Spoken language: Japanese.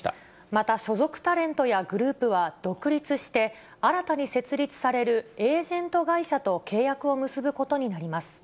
また、所属タレントやグループは独立して、新たに設立されるエージェント会社と契約を結ぶことになります。